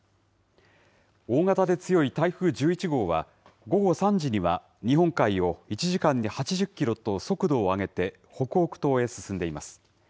大型で強い台風１１号は、午後３時には日本海を１時間に８０キロと速度を上げて、北北東へ進んでいます。